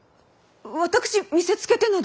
私見せつけてなど。